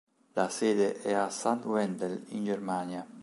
La sede è a St. Wendel in Germania.